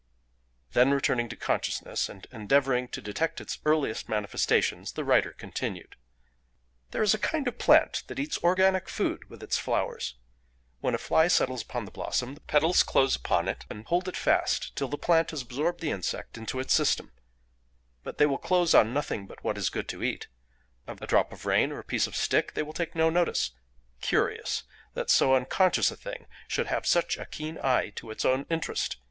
'" Then returning to consciousness, and endeavouring to detect its earliest manifestations, the writer continued: "There is a kind of plant that eats organic food with its flowers: when a fly settles upon the blossom, the petals close upon it and hold it fast till the plant has absorbed the insect into its system; but they will close on nothing but what is good to eat; of a drop of rain or a piece of stick they will take no notice. Curious! that so unconscious a thing should have such a keen eye to its own interest.